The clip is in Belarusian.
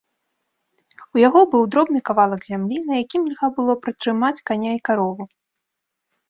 У яго быў дробны кавалак зямлі, на якім льга было пратрымаць каня і карову.